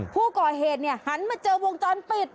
ผู้ก่อเหตุหันมาเจอวงจรปิด